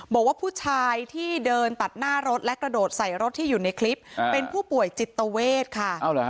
บอกว่าผู้ชายที่เดินตัดหน้ารถและกระโดดใส่รถที่อยู่ในคลิปเป็นผู้ป่วยจิตเวทค่ะ